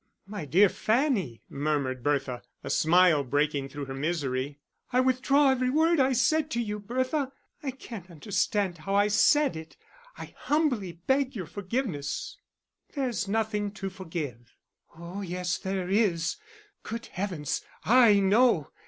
"My dear Fanny," murmured Bertha, a smile breaking through her misery. "I withdraw every word I said to you, Bertha; I can't understand how I said it. I humbly beg your forgiveness." "There is nothing to forgive." "Oh, yes, there is. Good heavens, I know!